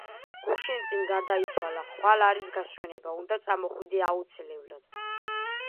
გუშინწინ გარდაიცვალა, ხვალ არის გასვენება, უნდა წამოხვიდე აუცილებლად!